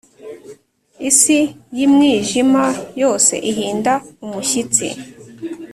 isi y` imwijima yose ihinda umushyitsi